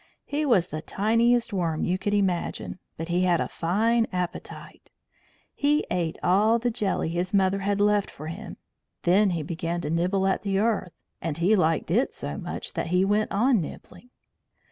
He was the tiniest worm you could imagine, but he had a fine appetite; he ate all the jelly his mother had left for him. Then he began to nibble at the earth, and he liked it so much that he went on nibbling.